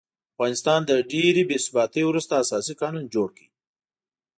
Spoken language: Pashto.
افغانستان د ډېرې بې ثباتۍ وروسته اساسي قانون جوړ کړ.